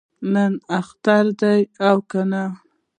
نن اختر دی او کنه؟